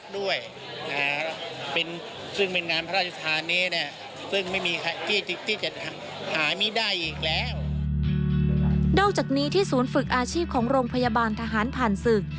นอกจากนี้ที่ศูนย์ฝึกอาชีพของโรงพยาบาลทหารผ่านศึก